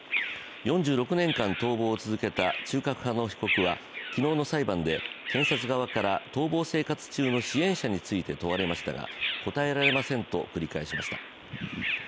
４６年間逃亡を続けた中核派の被告は昨日の裁判で検察側から逃亡生活中の支援者について問われましたが答えられませんと繰り返しました。